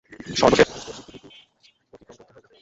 সর্বশেষে মানুষকে বুদ্ধিবৃত্তি অতিক্রম করিতে হইবে।